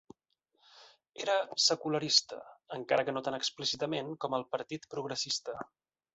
Era secularista, encara que no tan explícitament com el Partit Progressista.